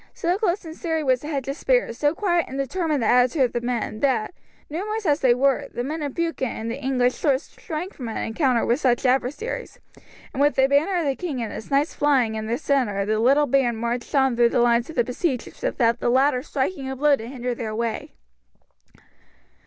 So close and serried was the hedge of spears, so quiet and determined the attitude of the men, that, numerous as they were, the men of Buchan and the English lords shrank from an encounter with such adversaries, and with the banner of the king and his knights flying in their centre the little band marched on through the lines of the besiegers without the latter striking a blow to hinder their way.